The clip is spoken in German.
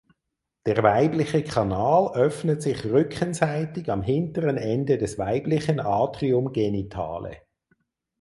Der weibliche Kanal öffnet sich rückenseitig am hinteren Ende des weiblichen Atrium genitale.